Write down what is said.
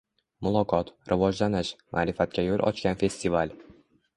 Muloqot, rivojlanish, ma’rifatga yo‘l ochgan festival